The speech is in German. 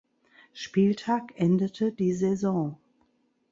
Spieltag endete die Saison.